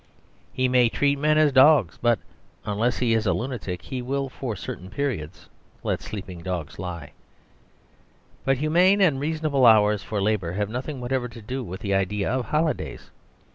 He may treat men as dogs, but unless he is a lunatic he will for certain periods let sleeping dogs lie. But humane and reasonable hours for labour have nothing whatever to do with the idea of holidays.